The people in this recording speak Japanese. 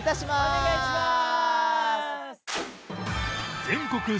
お願いしまーす。